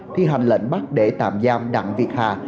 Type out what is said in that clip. thi hành lệnh bắt để tạm giam đặng việt hà